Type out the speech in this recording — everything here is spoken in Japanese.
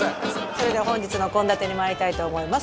それでは本日の献立にまいりたいと思います